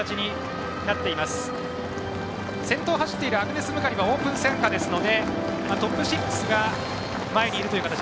先頭を走っているアグネス・ムカリはオープン参加ですのでトップ６が前にいるという形。